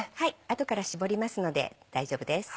後から搾りますので大丈夫です。